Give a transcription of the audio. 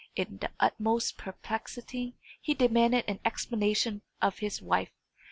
In the utmost perplexity, he demanded an explanation of his wife.